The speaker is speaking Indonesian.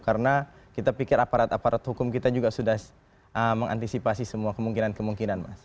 karena kita pikir aparat aparat hukum kita juga sudah mengantisipasi semua kemungkinan